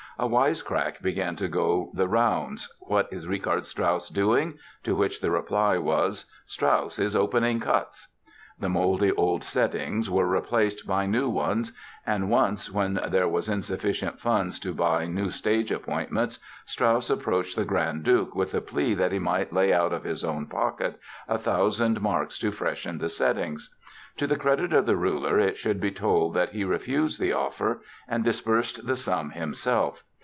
A wisecrack began to go the rounds: "What is Richard Strauss doing?" to which the reply was: "Strauss is opening cuts!" The moldy old settings were replaced by new ones and once when there were insufficient funds to buy new stage appointments Strauss approached the Grand Duke with a plea that he might lay out of his own pocket a thousand Marks to freshen the settings. To the credit of the ruler it should be told that he refused the offer and disbursed the sum himself.